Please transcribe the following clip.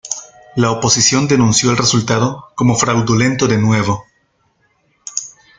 La oposición denunció el resultado como fraudulento de nuevo.